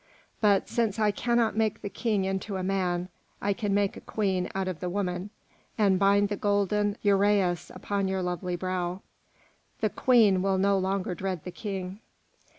But since I cannot make the King into a man, I can make a queen out of the woman and bind the golden uræus upon your lovely brow. The Queen will no longer dread the King."